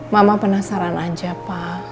mama penasaran aja pak